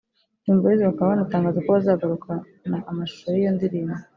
Dream Boyz bakaba banatangaza ko bazagarukana amashusho y’iyo ndirimbo